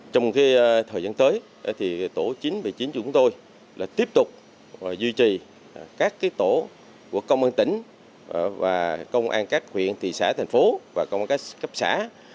trong thời gian tới tổ chín mươi chín chúng tôi tiếp tục duy trì các tổ của công an tỉnh công an các huyện thị xã thành phố và công an các cấp xã